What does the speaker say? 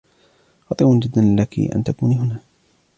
خطير جداً لكِ أن تكوني هنا.